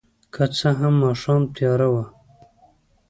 که څه هم ماښام تیاره وه.